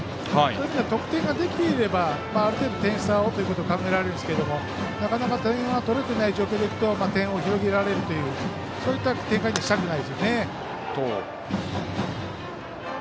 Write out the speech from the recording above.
そういう意味では得点ができていればある程度、点差をということが考えられるんですがなかなか点が取れていない状況でいくと点を広げられるという展開にはしたくないですよね。